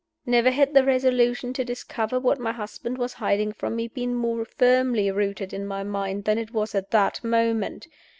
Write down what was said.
Never had the resolution to discover what my husband was hiding from me been more firmly rooted in my mind than it was at that moment!